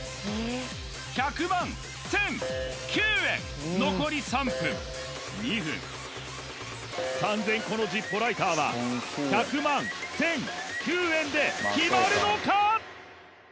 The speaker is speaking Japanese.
１００万１００９円残り３分２分３０００個のＺｉｐｐｏライターは１００万１００９円で決まるのか！？